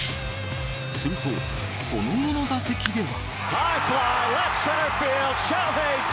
すると、その後の打席では。